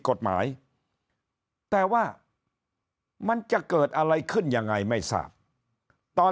กฎหมายแต่ว่ามันจะเกิดอะไรขึ้นยังไงไม่ทราบตอน